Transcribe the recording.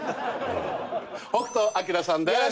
北斗晶さんです。